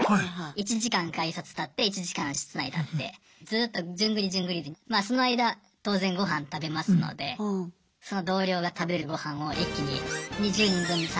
１時間改札立って１時間室内立ってずっと順繰り順繰りでまあその間当然ごはん食べますのでその同僚が食べるごはんを一気に２０人分３０人分作ったりしますね。